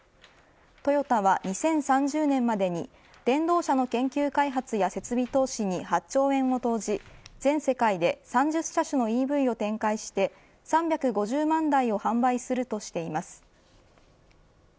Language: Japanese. トヨタは２０３０年までに電動車の研究開発や設備投資に８兆円を投じ全世界で３０車種のＥＶを展開して３５０万台を販売するとしています。